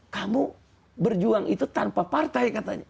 kamu berjuang itu tanpa partai katanya